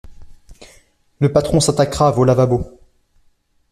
Le patron s'attaquera à vos lavabos.